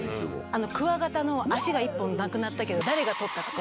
クワガタの足が１本なくなったけど、誰が取ったとか。